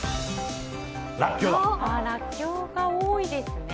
らっきょうが多いですね。